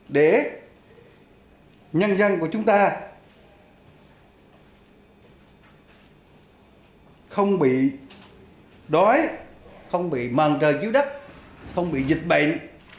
để nhân dân của chúng ta không bị đói không bị màn trời chiếu đất không bị dịch bệnh